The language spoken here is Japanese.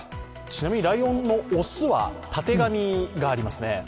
ちなみにライオンの雄は、たてがみがありますね。